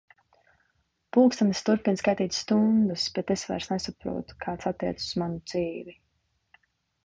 Pulkstenis turpina skaitīt stundas, bet es vairs nesaprotu, kā tās attiecas uz manu dzīvi.